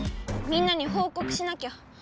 みんなにほうこくしなきゃ。